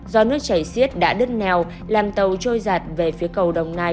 do nước chảy xiết đã đứt nèo làm tàu trôi giạt về phía cầu đồng nai